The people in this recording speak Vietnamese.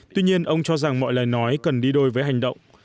tuy nhiên ông cho rằng mọi lời nói cần đi đôi với hành động